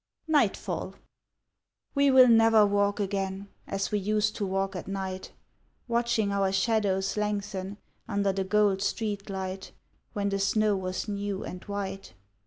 Nightfall We will never walk again As we used to walk at night, Watching our shadows lengthen Under the gold street light When the snow was new and white.